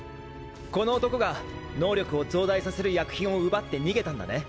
この男が能力を増大させる薬品を奪って逃げたんだね？